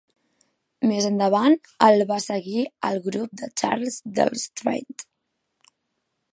Més endavant, el va seguir al grup de Charles Delestraint.